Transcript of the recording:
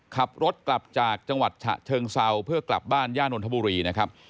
ขับรถกลับจากจังหวัดฉะเชิงเซาเพื่อกลับบ้านย่านนทบุรีนะครับ